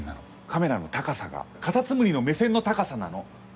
カメラの高さがかたつむりの目線の高さなの。